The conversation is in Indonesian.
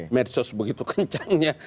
medsos begitu kencangnya